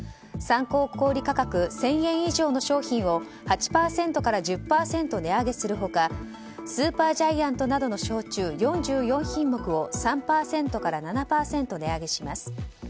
参考小売価格１０００円以上の商品を８％から１０％値上げするほかスーパージャイアントなどの焼酎４４品目を３％から７％値上げします。